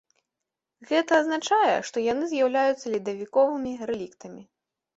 Гэта азначае, што яны з'яўляюцца ледавіковымі рэліктамі.